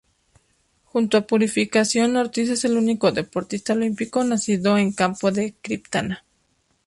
Junto a Purificación Ortiz es el único deportista olímpico nacido en Campo de Criptana.